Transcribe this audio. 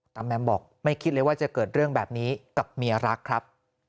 แมมบอกไม่คิดเลยว่าจะเกิดเรื่องแบบนี้กับเมียรักครับ